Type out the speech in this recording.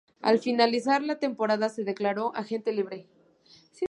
Al finalizar la temporada se declaró agente libre.